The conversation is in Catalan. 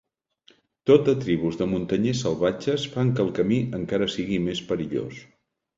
Tot de tribus de muntanyers salvatges fan que el camí encara sigui més perillós.